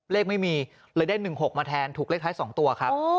ไม่มีเลยได้๑๖มาแทนถูกเลขท้าย๒ตัวครับ